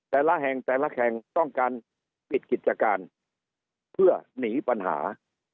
แต่ละแห่งแต่ละแห่งต้องการปิดกิจการเพื่อหนีปัญหา